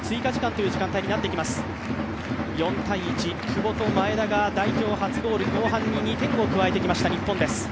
４−１、久保と前田が代表初ゴール、代表初ゴール、後半に２点を加えてきました、日本です。